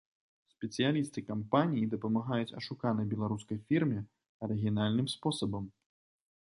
Спецыялісты кампаніі дапамагаюць ашуканай беларускай фірме арыгінальным спосабам.